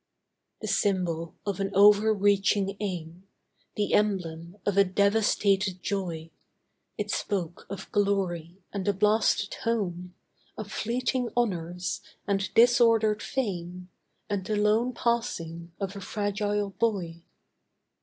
The symbol of an over reaching aim, The emblem of a devastated joy, It spoke of glory, and a blasted home: Of fleeting honours, and disordered fame, And the lone passing of a fragile boy.